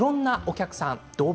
いろんなお客さん